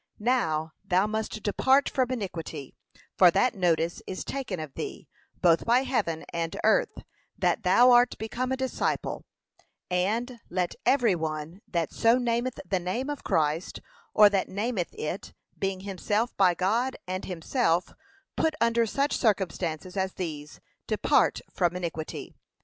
Now thou must depart from iniquity, for that notice is taken of thee, both by heaven and earth, that thou art become a disciple, and 'let every one that' so 'nameth the name of Christ,' or that nameth it, being himself by God and himself put under such circumstances as these, 'depart from iniquity.'